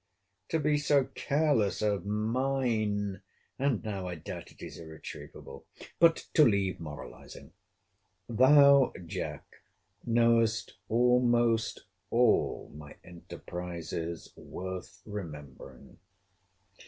] to be so careless of mine!—And now, I doubt, it is irretrievable.—But to leave moralizing. Thou, Jack, knowest almost all my enterprises worth remembering.